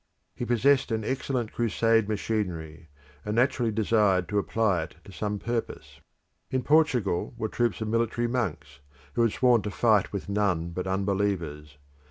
He possessed an excellent crusade machinery, and naturally desired to apply it to some purpose. In Portugal were troops of military monks, who had sworn to fight with none but unbelievers.